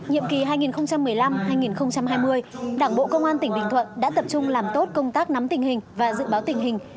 nhiệm kỳ hai nghìn một mươi năm hai nghìn hai mươi đảng bộ công an tỉnh bình thuận đã tập trung làm tốt công tác nắm tình hình và dự báo tình hình